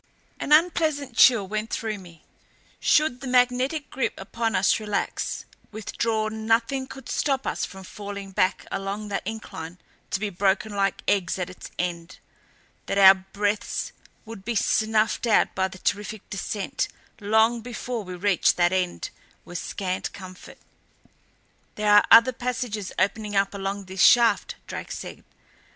An unpleasant chill went through me should the magnetic grip upon us relax, withdraw, nothing could stop us from falling back along that incline to be broken like eggs at its end; that our breaths would be snuffed out by the terrific descent long before we reached that end was scant comfort. "There are other passages opening up along this shaft," Drake said.